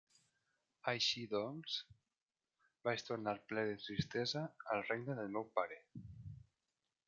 Així doncs, vaig tornar ple de tristesa al regne del meu pare.